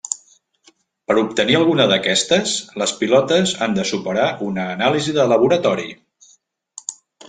Per obtenir alguna d'aquestes, les pilotes han de superar una anàlisi de laboratori.